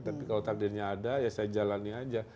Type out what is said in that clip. tapi kalau takdirnya ada ya saya jalani aja